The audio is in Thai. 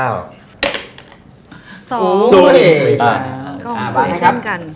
กล่อสูงให้ให้ท่านกัน